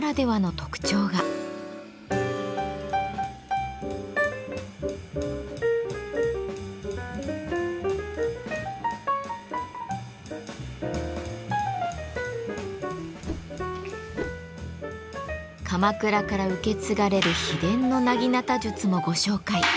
鎌倉から受け継がれる秘伝の薙刀術もご紹介。